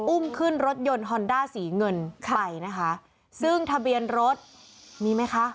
อุ้มขึ้นรถยนต์ฮอนด้าสีเงินไปนะคะซึ่งทะเบียนรถมีไหมคะ